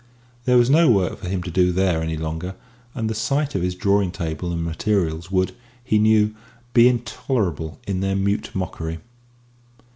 There was no work for him to do there any longer, and the sight of his drawing table and materials would, he knew, be intolerable in their mute mockery.